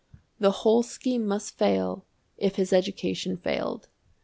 The whole scheme must fail if his education failed.